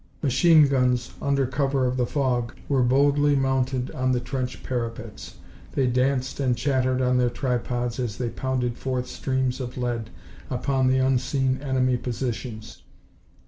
Machine guns, under cover of the fog, were boldly mounted on the trench parapets. They danced and chattered on their tripods as they pounded forth streams of lead upon the unseen enemy positions.